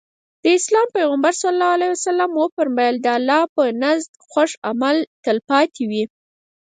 د اسلام پيغمبر ص وفرمايل د الله په نزد خوښ عمل تلپاتې وي.